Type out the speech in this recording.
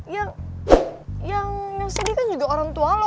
yang sedih kan juga orang tua loh